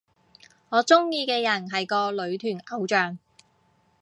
我鍾意嘅人係個女團偶像